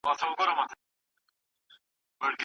چای د سرطان خطر کمولای شي.